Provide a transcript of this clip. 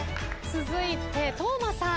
続いて當間さん。